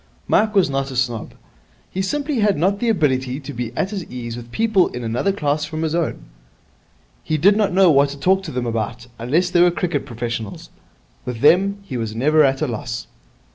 Mike was not a snob. He simply had not the ability to be at his ease with people in another class from his own. He did not know what to talk to them about, unless they were cricket professionals. With them he was never at a loss.